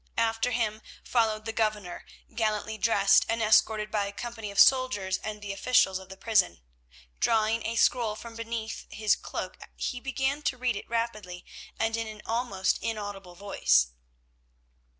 After him followed the governor gallantly dressed and escorted by a company of soldiers and the officials of the prison. Drawing a scroll from beneath his cloak he began to read it rapidly and in an almost inaudible voice.